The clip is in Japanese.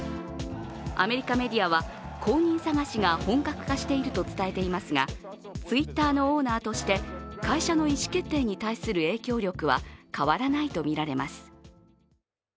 アメリカメディアは、後任探しが本格化していると伝えていますがＴｗｉｔｔｅｒのオーナーとして会社の意思決定に対する影響力は変わらないとみられます。